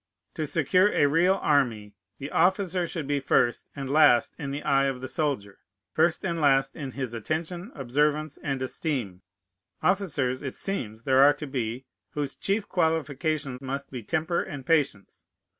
To secure a real army, the officer should be first and last in the eye of the soldier, first and last in his attention, observance, and esteem. Officers, it seems, there are to be, whose chief qualification must be temper and patience.